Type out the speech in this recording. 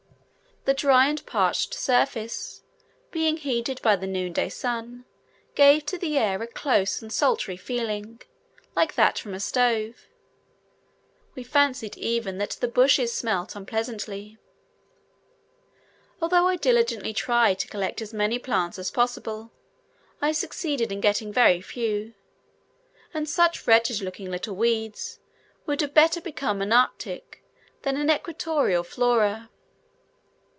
The dry and parched surface, being heated by the noon day sun, gave to the air a close and sultry feeling, like that from a stove: we fancied even that the bushes smelt unpleasantly. Although I diligently tried to collect as many plants as possible, I succeeded in getting very few; and such wretched looking little weeds would have better become an arctic than an equatorial Flora.